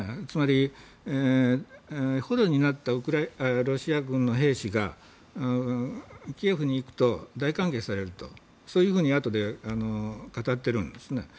つまり、捕虜になったロシア軍の兵士がキエフに行くと大歓迎されるとそういうふうにあとで語っているんですね。